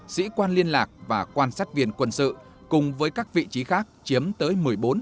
sĩ quan liên lạc và quan sát viên quân sự cùng với các vị trí khác chiếm tới một mươi bốn